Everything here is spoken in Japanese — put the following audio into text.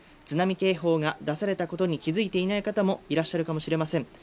津波警報が出されたことに気付いていない方もいらっしゃるかもしれません。